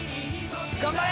頑張れ！